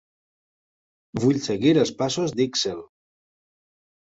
Vull seguir els passos d'Yksel.